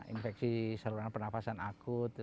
infeksi saluran pernafasan akut